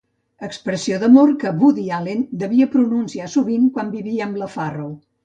Expressió d'amor que Woody Allen devia pronunciar sovint quan vivia amb la Farrow.